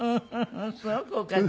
すごくおかしいわね。